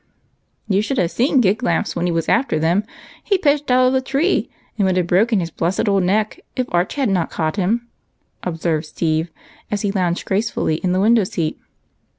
"You should have seen Giglamps when he was after them. He pitched out of the tree, and would have broken his blessed old neck if Arch had not caught him," observed Steve, as he lounged gracefully in the window seat.